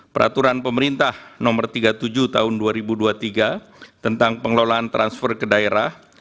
peraturan pemerintah no tiga puluh tujuh tahun dua ribu dua puluh tiga tentang pengelolaan transfer ke daerah